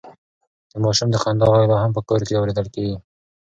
د ماشوم د خندا غږ لا هم په کور کې اورېدل کېږي.